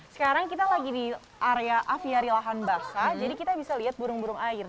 sekarang kita lagi di area aviari lahan basah jadi kita bisa lihat burung burung air